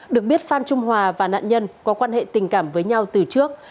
được biết phan trung hòa và nạn nhân có quan hệ tình cảm với nhau từ trước